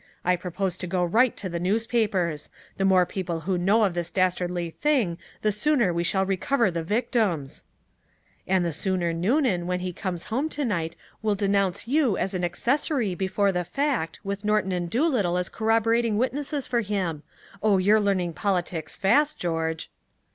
I propose to go right to the newspapers! The more people who know of this dastardly thing the sooner we shall recover the victims!" "And the sooner Noonan, when he comes home tonight, will denounce you as an accessory before the fact, with Norton and Doolittle as corroborating witnesses for him! Oh, you're learning politics fast, George!"